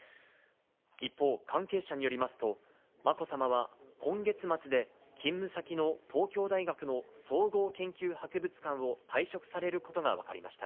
一方、関係者によりますと、まこさまは今月末で、勤務先の東京大学の総合研究博物館を退職されることが分かりました。